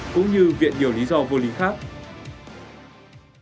cũng như viện điều lý do vô lý khác